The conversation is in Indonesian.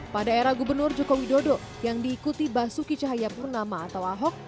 pada era gubernur jokowi dodo yang diikuti basuki cahayapurnama atau ahok